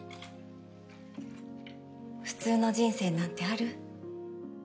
普通の人生なんてある？